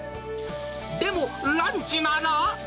でも、ランチなら。